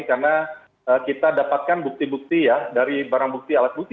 karena kita dapatkan bukti bukti ya dari barang bukti alat bukti